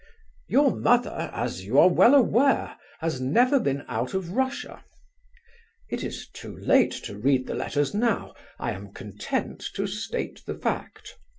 Your mother, as you are well aware, has never been out of Russia.... It is too late to read the letters now; I am content to state the fact.